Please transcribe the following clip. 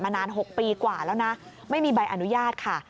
นาน๖ปีกว่าแล้วนะไม่มีใบอนุญาตค่ะ